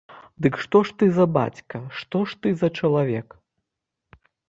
Дык што ж ты за бацька, што ж ты за чалавек?